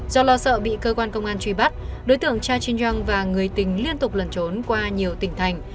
do lo sợ bị cơ quan công an truy bắt đối tượng cha chin yong và người tình liên tục lần trốn qua nhiều tỉnh thành